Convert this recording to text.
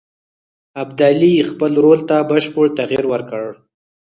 ابدالي خپل رول ته بشپړ تغییر ورکړ.